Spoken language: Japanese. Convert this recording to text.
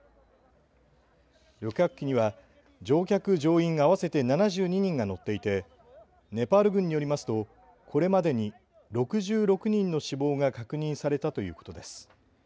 旅客機には乗客乗員合わせて７２人が乗っていてネパール軍によりますとこれまでに６６人の死亡が確認されたということです。